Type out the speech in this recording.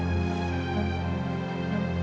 ya pak adrian